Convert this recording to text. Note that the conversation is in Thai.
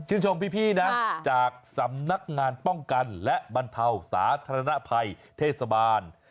ชมพี่นะจากสำนักงานป้องกันและบรรเทาสาธารณภัยเทศบาล